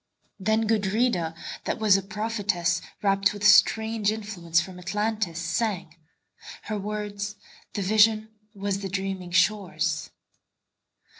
Then Gudrida, that was a prophetess, Rapt with strange influence from Atlantis, sang:Her words: the vision was the dreaming shore's.